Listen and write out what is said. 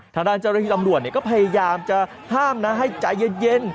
ทางด้านเจ้าหน้าที่ตำรวจก็พยายามจะห้ามนะให้ใจเย็น